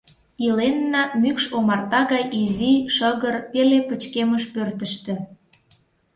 Иленна мӱкш омарта гай изи, шыгыр, пеле пычкемыш пӧртыштӧ.